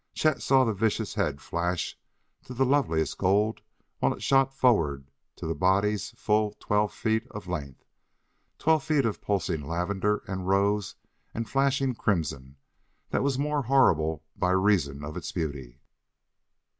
Chet saw the vicious head flash to loveliest gold while it shot forward to the body's full twelve feet of length twelve feet of pulsing lavender and rose and flashing crimson that was more horrible by reason of its beauty.